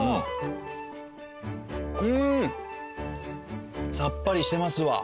うんさっぱりしてますわ。